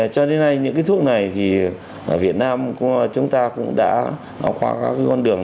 cho đến nay những cái thuốc này thì ở việt nam chúng ta cũng đã qua các con đường